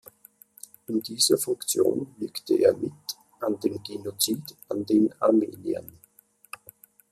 In dieser Funktion wirkte er mit an dem Genozid an den Armeniern.